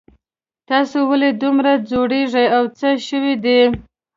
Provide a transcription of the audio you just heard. تاسو ولې دومره ځوریږئ او څه شوي دي